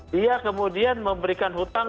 dia kemudian memberikan hutang